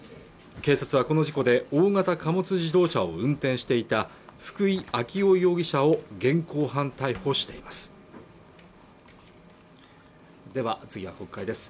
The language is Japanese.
警察はこの事故で大型貨物自動車を運転していた福井暁生容疑者を現行犯逮捕していますでは次は国会です